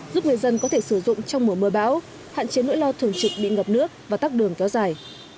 giúp người dân có thể sử dụng trong mùa mưa bão hạn chế nỗi lo thường trực bị ngập nước và tắt đường kéo dài